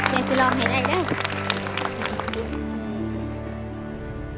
เดี๋ยวสิลองให้ได้ด้วย